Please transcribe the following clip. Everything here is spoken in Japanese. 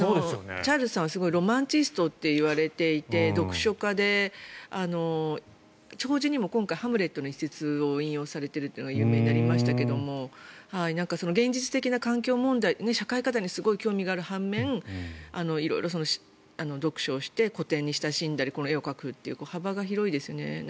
チャールズさんは、すごくロマンチストといわれていて読書家で、弔辞にも今回「ハムレット」の一節を引用されているというのが有名になりましたが現実的な環境問題社会課題にすごく興味がある半面色々と読書をして古典に親しんだり絵を描くという幅が広いですね。